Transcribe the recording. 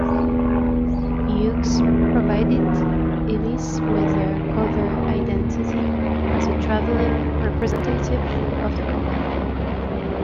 Hughes provided Ellis with a cover identity as a traveling representative of the company.